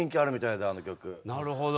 なるほど。